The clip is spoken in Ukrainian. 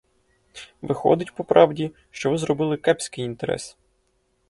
Виходить, по правді, що ви зробили кепський інтерес.